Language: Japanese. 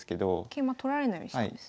桂馬取られないようにしたんですね。